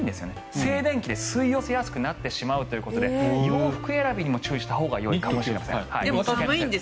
静電気で吸い寄せやすくなってしまうということで洋服選びにも注意したほうがいいんです。